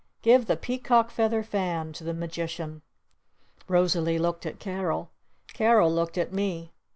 _ Give the Peacock Feather Fan to the Magician!" Rosalee looked at Carol. Carol looked at me.